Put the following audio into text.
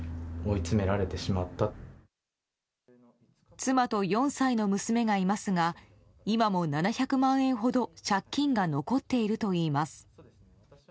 妻と４歳の娘がいますが今も７００万円ほど借金が残っているといいます。